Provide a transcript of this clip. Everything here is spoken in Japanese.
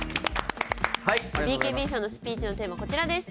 ＢＫＢさんのスピーチのテーマこちらです！